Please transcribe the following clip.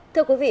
thưa quý vị